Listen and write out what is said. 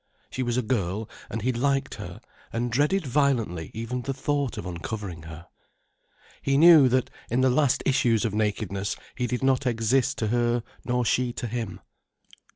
She was a girl and he liked her, and dreaded violently even the thought of uncovering her. He knew that, in these last issues of nakedness, he did not exist to her nor she to him.